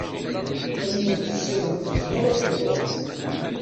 Ayen ur tessineḍ yezmer ad k-iḍurr.